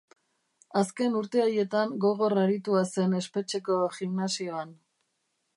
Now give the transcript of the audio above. Azken urte haietan gogor aritua zen espetxeko gimnasioan.